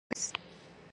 There is no choice.